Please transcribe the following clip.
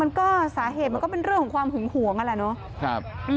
มันก็สาเหตุมันเป็นเรื่องความหึงหวงก็แหละเนอะ